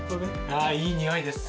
あいい匂いです。